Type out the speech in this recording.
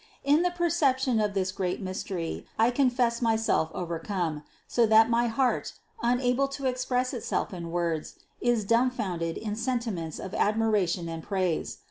In the perception of this great mystery I confess myself overcome, so that my heart, unable to express itself in words, is dumbfounded in sentiments of admiration and of praise.